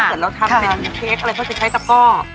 เกิดเราทำเป็นเค้กอะไรเขาจะใช้ตะก้อ